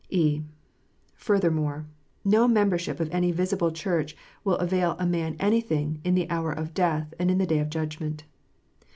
(e) Furthermore, no mere membership of any visible Church will avail a man anything " in the hour of death and in the day of judgment."